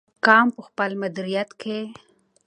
حاکم په خپل مدیریت کې.